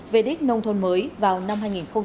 về đích nông thôn mới vào năm hai nghìn một mươi tám